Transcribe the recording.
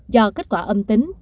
do kết quả âm tính